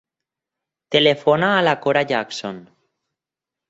Telefona a la Cora Jackson.